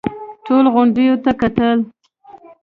ټولو غونډيو ته کتل.